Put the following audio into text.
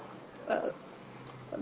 ya mereka bisa berinfeksi